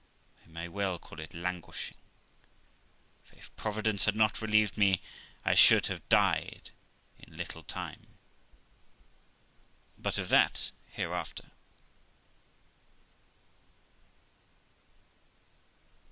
I may well call it languishing, for if Providence had not relieved me, I should have died in little time. But of that hereafter.